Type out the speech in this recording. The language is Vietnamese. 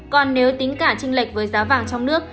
còn nếu tính cả trinh lệch với giá vàng trong nước